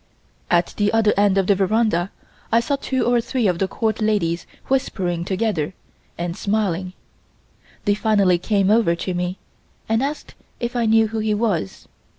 At the other end of the veranda I saw two or three of the Court ladies whispering together and smiling. They finally came over to me and asked if I knew who he was.